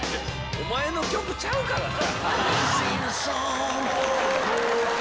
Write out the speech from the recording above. おまえの曲ちゃうからな。